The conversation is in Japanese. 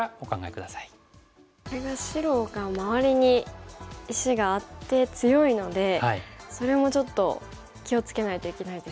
これが白が周りに石があって強いのでそれもちょっと気を付けないといけないですよね。